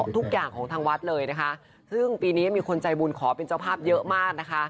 ทุกอย่างของทางวัดเลยนะคะซึ่งปีนี้มีคนใจบุญขอเป็นเจ้าภาพเยอะมากนะคะ